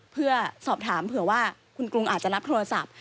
เพื่อสอบถามเผื่อว่าคุณกรุงอาจจะรับโทรศัพท์